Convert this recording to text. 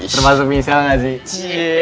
termasuk misal gak sih